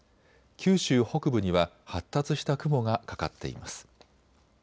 九州北部には発達した雲がかかっています。